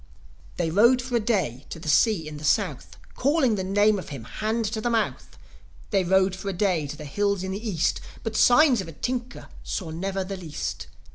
They rode for a day to the sea in the South, Calling the name of him, hand to the mouth. They rode for a day to the hills in the East, But signs of a tinker saw never the least.